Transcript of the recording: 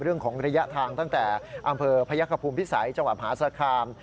เรื่องของระยะทางตั้งแต่อำเภอพยักษภูมิพิสัยจังหวัดมหาสคาม